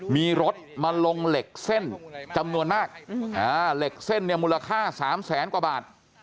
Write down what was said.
มีรถมาลงเหล็กเส้นจำนวนมากเหล็กเส้นเนี่ยมูลค่า๓แสนกว่าบาท